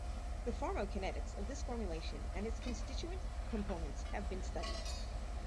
The pharmacokinetics of this formulation and its constituent components have been studied.